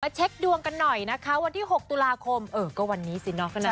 เช็คดวงกันหน่อยนะคะวันที่๖ตุลาคมเออก็วันนี้สิเนาะ